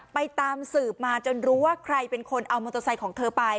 ไปตามสืบมาจนรู้ว่าใครเป็นคนเอามอเตอร์ไซค์ของเธอไป